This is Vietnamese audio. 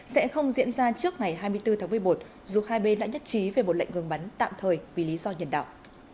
sẽ không diễn ra trước ngày hai mươi bốn tháng một mươi một dù hai bên đã nhất trí về một lệnh ngừng bắn tạm thời vì lý do nhân đạo